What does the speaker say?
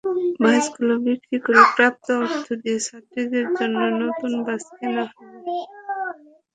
বাসগুলো বিক্রি করে প্রাপ্ত অর্থ দিয়ে ছাত্রীদের জন্য নতুন বাস কেনা হবে।